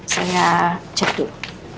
saya cek duit